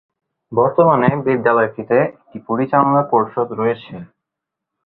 বর্তমানে বিদ্যালয়টিতে একটি পরিচালনা পর্ষদ রয়েছে।